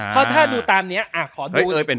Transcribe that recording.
เพราะถ้าดูตามเนี้ยอ่ะขอดู